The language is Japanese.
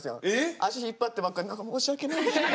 足引っ張ってばっかで何か申し訳ない。